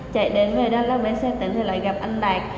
chạy đến về đắk lắk đến xe tỉnh thì lại gặp anh đạt